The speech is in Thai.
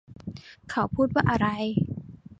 เขาพูดว่าอะไร ?